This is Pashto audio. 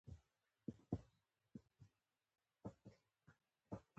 هغه کټ کټ وخندل.